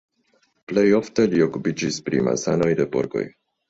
Plej ofte li okupiĝis pri malsanoj de porkoj.